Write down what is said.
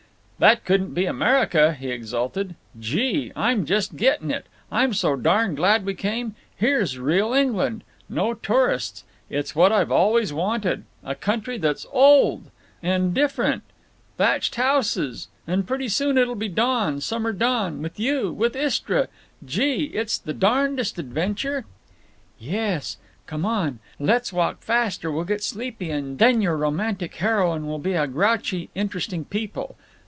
"That couldn't be America," he exulted. "Gee! I'm just gettin' it! I'm so darn glad we came…. Here's real England. No tourists. It's what I've always wanted—a country that's old. And different…. Thatched houses!… And pretty soon it'll be dawn, summer dawn; with you, with Istra! Gee! It's the darndest adventure." "Yes…. Come on. Let's walk fast or we'll get sleepy, and then your romantic heroine will be a grouchy Interesting People!